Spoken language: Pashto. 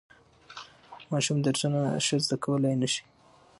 ماشوم درسونه ښه زده کولای نشي.